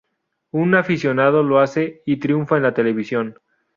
Un aficionado lo hace y triunfa en la televisión.